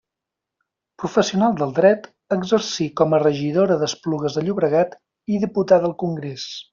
Professional del Dret, exercí com a regidora d'Esplugues de Llobregat i diputada al Congrés.